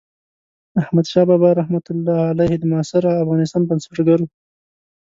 احمدشاه بابا رحمة الله علیه د معاصر افغانستان بنسټګر و.